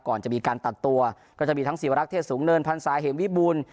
ก่อนจะมีการตัดตัวก็จะมีทั้งศิวรักษ์เทศสูงเนินพันศาเหมวิบูรณ์